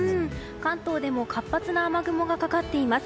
関東でも活発な雨雲がかかっています。